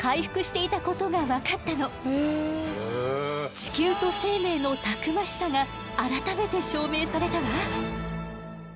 地球と生命のたくましさが改めて証明されたわ。